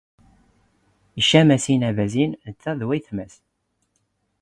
ⵉⵛⵛⴰ ⵎⴰⵙⵉⵏ ⴰⴱⴰⵣⵉⵏ ⵏⵜⵜⴰ ⴷ ⵡⴰⵢⵜⵎⴰⵙ.